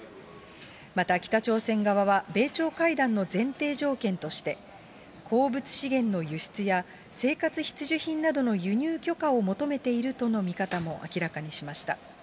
また北朝鮮側は米朝会談の前提条件として、鉱物資源の輸出や、生活必需品などの輸入許可を求めているとの見方も明らかにしました。